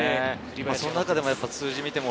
その中でも数字を見ても、